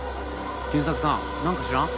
賢作さんなんか知らん？